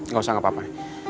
gak usah apa apa